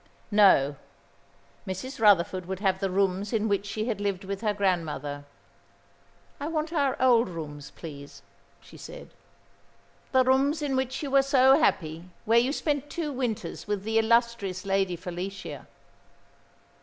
No. Mrs. Rutherford would have the rooms in which she had lived with her grandmother. "I want our old rooms, please," she said. "The rooms in which you were so happy where you spent two winters with the illustrious Lady Felicia."